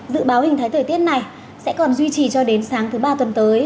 dự báo hình thái thời tiết này sẽ còn duy trì cho đến sáng thứ ba tuần tới